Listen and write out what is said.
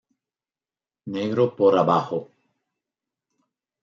Negro por abajo.